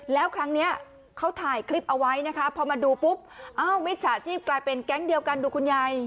แล้วครั้งนี้เขาถ่ายคลิปเอาไว้นะคะพอมาดูปุ๊บเอ้ามิจฉาชีพกลายเป็นแก๊งเดียวกันดูคุณยาย